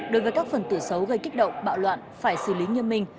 đối với các phần tử xấu gây kích động bạo loạn phải xử lý như mình